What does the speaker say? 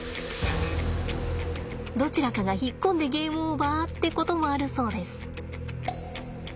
どちらかが引っ込んでゲームオーバーってこともあるそうです。